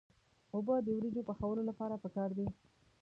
اوبه د وریجو پخولو لپاره پکار دي.